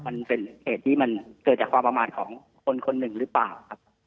มันเป็นเหตุที่มันเกิดจากความประมาณของคนคนหนึ่งหรือเปล่าครับ